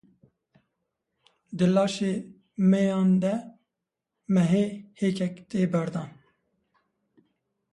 Di laşê mêyan de mehê hêkek tê berdan